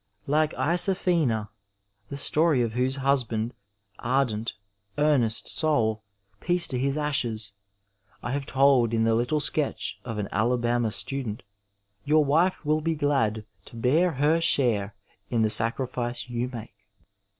Like Isaphaena, the story of whose husband — ^ardent, earnest soul, peace to his ashes ! —I have told in the little sketch of An Alabama Student, your wife will be glad to bear her share in the sacrifice you make.